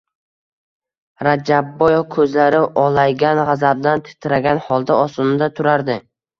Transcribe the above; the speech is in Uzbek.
Rajabboy koʼzlari olaygan, gʼazabdan titragan holda ostonada turardi.